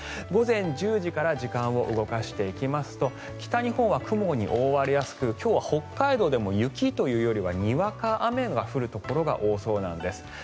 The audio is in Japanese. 午前１０時から時間を動かしていきますと北日本は雲に覆われやすく今日は北海道でも雪というよりはにわか雨が降るところが多そうなんです。